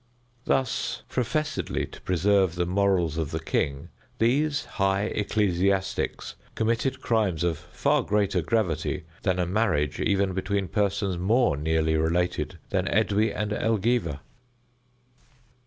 Thus, professedly to preserve the morals of the king, these high ecclesiastics committed crimes of far greater gravity than a marriage even between persons more nearly related than Edwy and Elgiva.